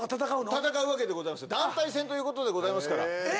戦うわけでございますよ団体戦ということでございますからえっ